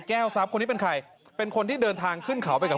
ทรัพย์คนนี้เป็นใครเป็นคนที่เดินทางขึ้นเขาไปกับ